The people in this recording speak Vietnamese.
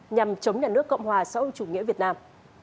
nhằm chống nhà nước cộng hòa xã hội chủ nghĩa việt nam